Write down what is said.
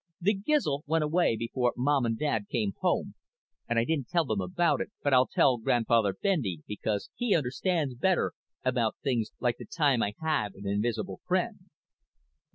_ _The gizl went away before Mom and Dad came home and I didn't tell them about it but I'll tell Grandfather Bendy because he understands better about things like the time I had an invisible friend.